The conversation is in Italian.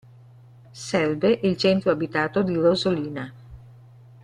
Serve il centro abitato di Rosolina.